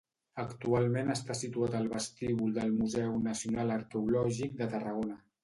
Actualment està situat al vestíbul del Museu Nacional Arqueològic de Tarragona.